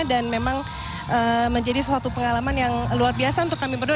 dan memang menjadi sesuatu pengalaman yang luar biasa untuk kami berdua